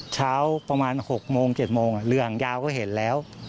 เช้าประมาณ๖๗โมงเหลือหังยาวก็เห็นแล้ว